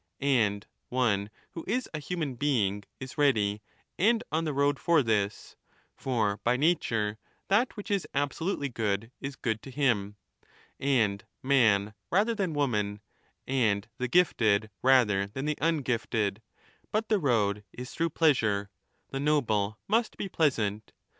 And one who is a human being* is ready and on the road for this (for by nature that which is absolutely good is good to him), and man rather than woman, and the gifted rather 5 than the ungifted ; but the road is through pleasure ; the noble^ must be pleasant.